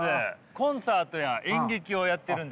コンサートや演劇をやってるんですって。